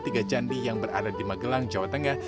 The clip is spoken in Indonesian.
tiga candi yang berada di magelang jawa tengah